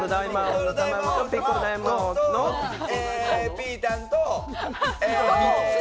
ピータンと。